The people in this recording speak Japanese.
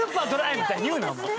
みたいに言うなお前。